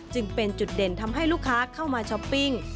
จึงเป็นจุดเด่นทำให้ลูกค้าเข้ามาช้อปปิ้ง